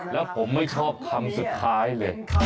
แล้วผมไม่ชอบคำสุดท้ายเลย